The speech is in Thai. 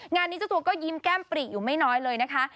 งานนี้เจ้าตัวก็ยิ้มแก้มปรีกอยู่ไม่น้อยเลยนะคะ